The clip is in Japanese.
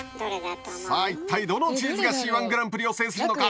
さあ一体どのチーズが「Ｃ−１グランプリ」を制するのか？